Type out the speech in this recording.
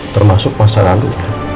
termasuk masa lalu